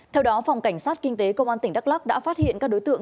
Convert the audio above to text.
theo đó phòng cảnh sát kinh tế công an tỉnh đắk lắc đã phát hiện các đối tượng